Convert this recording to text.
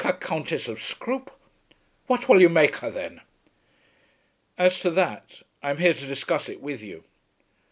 "Not make her Countess of Scroope! What will you make her then?" "As to that, I am here to discuss it with you."